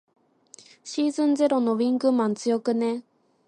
シーズンゼロのウィングマン強くね。